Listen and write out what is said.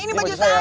ini baju saya